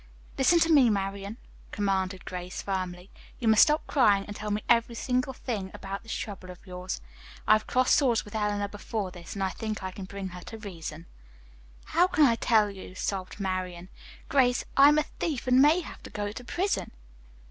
"Listen to me, Marian," commanded Grace firmly. "You must stop crying and tell me every single thing about this trouble of yours. I have crossed swords with Eleanor before this, and I think I can bring her to reason." "How can I tell you?" sobbed Marian. "Grace, I am a thief and may have to go to prison."